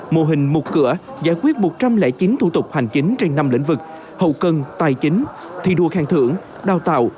mô hình một cửa giải quyết một trăm linh chín thủ tục hành chính trên năm lĩnh vực hậu cân tài chính thi đua khen thưởng đào tạo